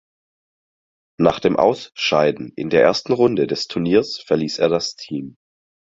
Nach dem Ausscheiden in der ersten Runde des Turniers verließ er das Team.